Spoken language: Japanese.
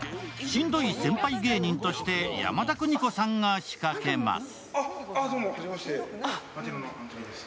しんどい先輩芸人として山田邦子さんが仕掛けます。